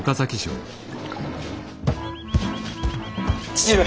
父上。